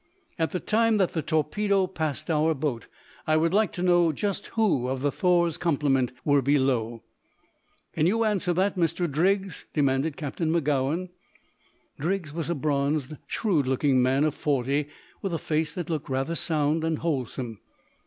At the time that the torpedo passed our boat I would like to know just who of the 'Thor's' complement were below." "Can you answer that, Mr. Driggs?" demanded Captain Magowan. Driggs was a bronzed, shrewd looking man of forty, with a face that looked rather sound and wholesome.